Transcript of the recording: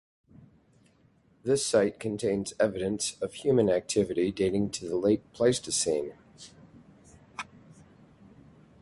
The site contains evidence of human activity dating to the Late Pleistocene.